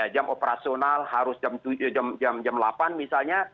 jam operasional harus jam delapan misalnya